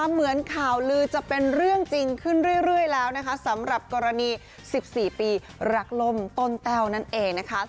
เหมือนข่าวลือจะเป็นเรื่องจริงขึ้นเรื่อยแล้วนะคะสำหรับกรณี๑๔ปีรักล่มต้นแต้วนั่นเองนะคะ